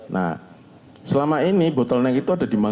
nah selama ini bottleneck itu ada di mana